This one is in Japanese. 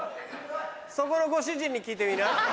そこのご主人に聞いてみな。